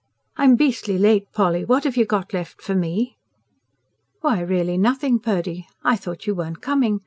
"I'm beastly late, Polly. What have you got left for me?" "Why, really nothing, Purdy. I thought you weren't coming.